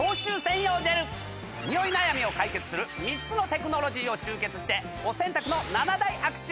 ニオイ悩みを解決する３つのテクノロジーを集結してお洗濯の。